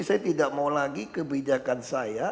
saya tidak mau lagi kebijakan saya